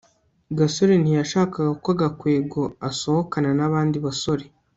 gasore ntiyashakaga ko gakwego asohokana nabandi basore